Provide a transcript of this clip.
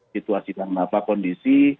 situasi dengan apa kondisi